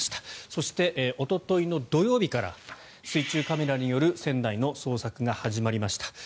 そして、おとといの土曜日から水中カメラによる船内の捜索が始まりました。